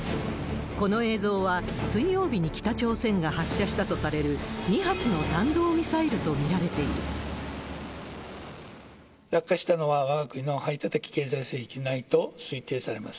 この映像は、水曜日に北朝鮮が発射したとされる２発の弾道ミサイルと見られて落下したのは、わが国の排他的経済水域内と推定されます。